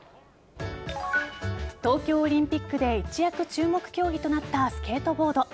東京オリンピックで一躍、注目競技となったスケートボード。